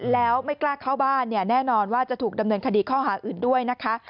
แล้วไม่กล้าเข้าบ้านเนี่ยแน่นอนว่าจะถูกดำเนินคดีข้อหาอื่นด้วยนะคะ